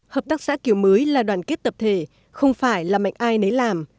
hợp tác xã kiểu mới là đoàn kết tập thể không phải là mạnh ai nấy làm